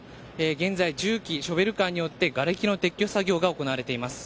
現在、重機ショベルカーによってがれきの撤去作業が行われています。